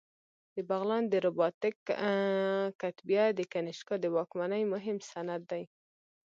د بغلان د رباطک کتیبه د کنیشکا د واکمنۍ مهم سند دی